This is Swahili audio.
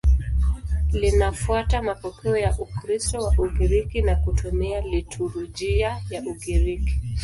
Linafuata mapokeo ya Ukristo wa Ugiriki na kutumia liturujia ya Ugiriki.